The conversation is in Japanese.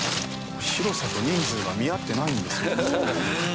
広さと人数が見合ってないんですよ。